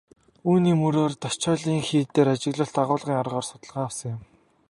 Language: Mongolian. Үүний мөрөөр Дашчойлин хийд дээр ажиглалт асуулгын аргаар судалгаа авсан юм.